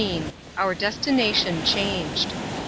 Oar destmation changed.